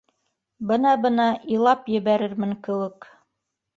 — Бына-бына илап ебәрермен кеүек